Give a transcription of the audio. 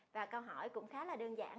và câu hỏi cũng khá là đơn giản